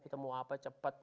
kita mau apa cepat